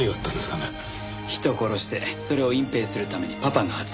人殺してそれを隠蔽するためにパパが圧力。